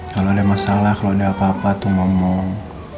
kalo ada masalah kalo ada apa apa tuh ngomong